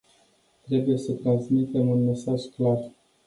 Trebuie să transmitem un mesaj clar.